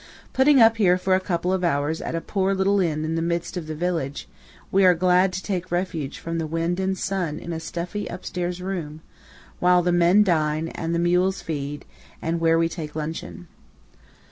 Putting up here for a couple of hours at a poor little inn in the midst of the village, we are glad to take refuge from wind and sun in a stuffy upstairs room, while the men dine, and the mules feed, and where we take luncheon.